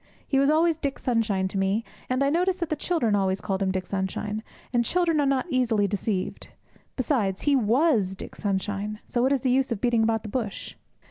He was always Dick Sunshine to me, and I noticed that the children always called him Dick Sunshine, and children are not easily deceived. Besides, he was Dick Sunshine, so what is the use of beating about the bush?